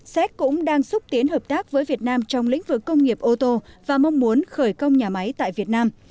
séc cũng đang xúc tiến hợp tác với việt nam trong lĩnh vực công nghiệp ô tô và mong muốn khởi công nhà máy tại việt nam